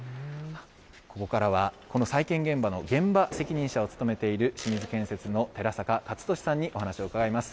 ここからはこの再建現場の現場責任者を務めている清水建設の寺坂勝利さんにお話を伺います。